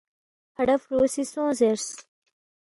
فڑا فرُو سی سونگ زیرس